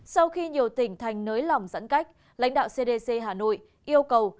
sau khi nhiều tỉnh thành nới lỏng giãn cách lãnh đạo cdc hà nội yêu cầu